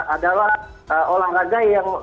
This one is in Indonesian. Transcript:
adalah olahraga yang